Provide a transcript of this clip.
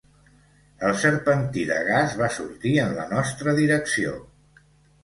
El serpentí de gas va sortir en la nostra direcció.